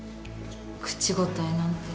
口答えなんて。